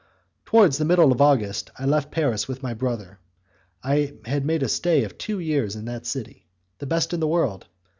Towards the middle of August I left Paris with my brother. I had made a stay of two years in that city, the best in the world.